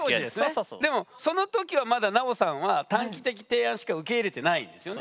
でもその時はまだ奈緒さんは短期的提案しか受け入れてないんですよね？